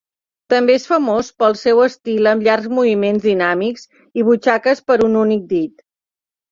També és famós pel seu estil amb llargs moviments dinàmics i butxaques per un únic dit.